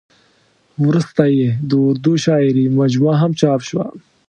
ورسته یې د اردو شاعرۍ مجموعه هم چاپ شوه.